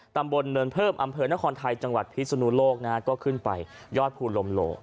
ตำบลเนินเพิ่มอำเภอนครไทยจังหวัดพิศนุโลกนะฮะก็ขึ้นไปยอดภูลมโล